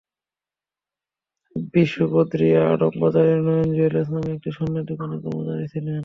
বিষু বরদিয়া আড়ং বাজারের নয়ন জুয়েলার্স নামে একটি স্বর্ণের দোকানের কর্মচারী ছিলেন।